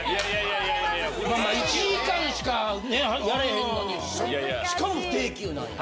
まあまあ１時間しかやれへんのにしかも不定休なんや。